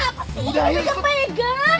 masih inget pegang pegang